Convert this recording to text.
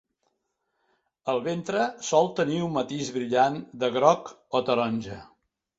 El ventre sol tenir un matís brillant de groc o taronja.